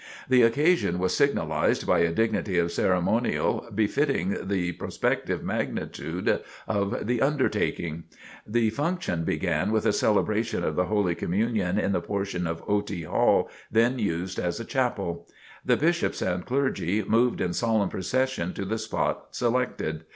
The occasion was signalized by a dignity of ceremonial befitting the prospective magnitude of the undertaking. The function began with a celebration of the Holy Communion in the portion of Otey Hall then used as a chapel. The Bishops and clergy moved in solemn procession to the spot selected.